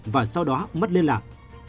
và sau đó mất liên lạc